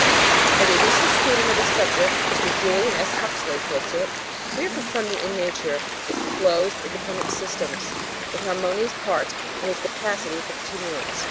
As a recent student of the subject, Mr. Julian S. Huxley, puts it, we are confronted in Nature with closed independent systems with harmonious parts and with capacity for continuance.